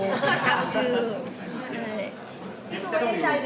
ตามชื่อ